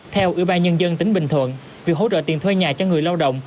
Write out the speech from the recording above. theo ủy ban nhân dân tỉnh bình thuận việc hỗ trợ tiền thuê nhà cho người lao động